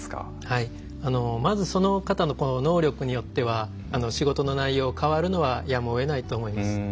まずその方の能力によっては仕事の内容が変わるのはやむをえないと思います。